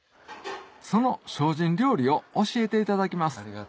その精進料理を教えていただきます